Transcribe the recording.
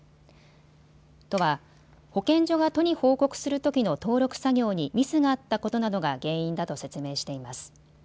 都は保健所が都に報告するときの登録作業にミスがあったことなどが原因だと説明しています。